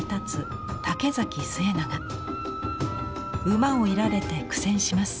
馬を射られて苦戦します。